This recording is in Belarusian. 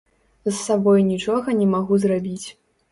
З сабой нічога не магу зрабіць.